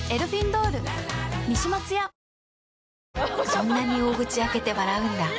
そんなに大口開けて笑うんだ。